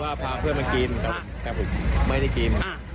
พาเพื่อนมากินครับแต่ผมไม่ได้กิน